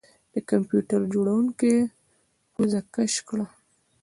د کمپیوټر جوړونکي پوزه کش کړه